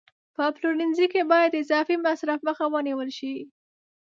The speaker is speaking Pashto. په پلورنځي کې باید د اضافي مصرف مخه ونیول شي.